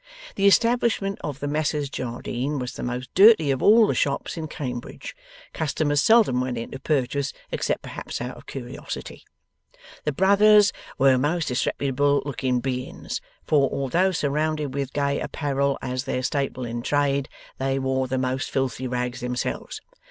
The establishment of the Messrs Jardine was the most dirty of all the shops in Cambridge. Customers seldom went in to purchase, except perhaps out of curiosity. The brothers were most disreputable looking beings; for, although surrounded with gay apparel as their staple in trade, they wore the most filthy rags themselves.